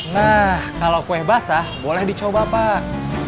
nah kalau kue basah boleh dicoba pak